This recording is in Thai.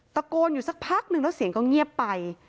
ตะโกนอยู่สักพักนึงแล้วเสียงก็เงียบไป